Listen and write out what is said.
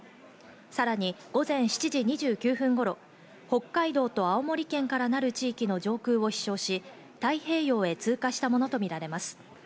さらに午前７時２９分頃、北海道と青森県からなる地域の上空を飛翔し、太平洋へ通過したものとみられます。